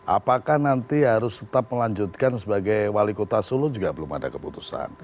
apakah nanti harus tetap melanjutkan sebagai wali kota solo juga belum ada keputusan